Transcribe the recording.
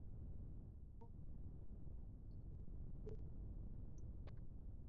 Mama yangu ameshinda tuzo kubwa sana